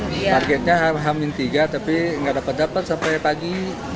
targetnya hamin tiga tapi nggak dapat dapat sampai pagi